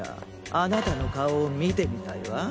あなたの顔を見てみたいわ。